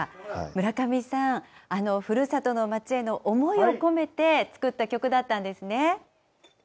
村上さん、ふるさとの街への思いを込めて作った曲だったんですね。